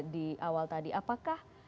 di awal tadi apakah